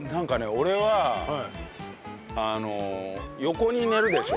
俺はあの横に寝るでしょ？